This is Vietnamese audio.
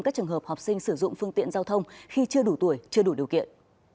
các trường hợp học sinh sử dụng phương tiện giao thông khi chưa đủ tuổi chưa đủ điều kiện